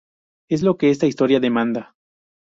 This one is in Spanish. Es lo que esta historia demanda.